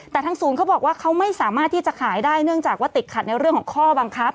แต่ทางศูนย์เขาบอกว่าเขาไม่สามารถที่จะขายได้เนื่องจากว่าติดขัดในเรื่องของข้อบังคับ